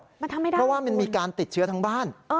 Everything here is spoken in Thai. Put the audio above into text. มันทำไม่ได้เพราะว่ามันมีการติดเชื้อทั้งบ้าน